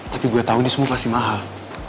tapi gue tau ini semua pasti mahal